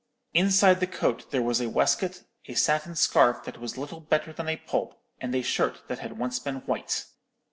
"Inside the coat there was a waistcoat, a satin scarf that was little better than a pulp, and a shirt that had once been white.